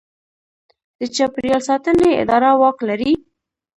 د چاپیریال ساتنې اداره واک لري؟